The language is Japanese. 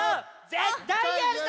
ぜったいやるぞ！